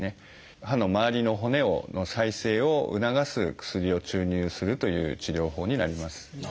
歯の周りの骨の再生を促す薬を注入するという治療法になります。